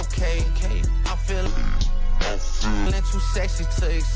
จักรยานนี่ได้